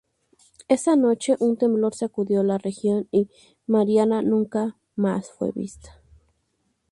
Esa noche, un temblor sacudió la región y Mariana nunca más fue vista.